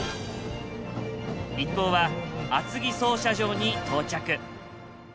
一行は厚木操車場に到着。